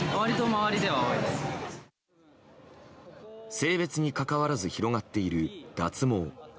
性別に関わらず広がっている脱毛。